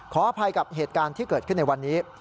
ขออภัยกับเหตุการณ์ที่เกิดขึ้นในวันนี้